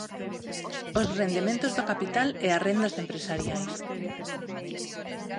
Os rendementos do capital e as rendas empresariais.